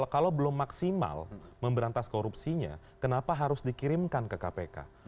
kalau belum maksimal memberantas korupsinya kenapa harus dikirimkan ke kpk